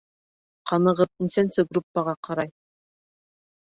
Ҡанығыҙ нисәнсе группаға ҡарай?